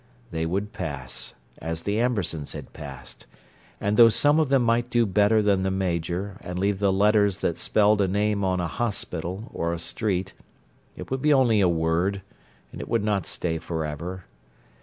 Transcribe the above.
They would pass, as the Ambersons had passed, and though some of them might do better than the Major and leave the letters that spelled a name on a hospital or a street, it would be only a word and it would not stay forever.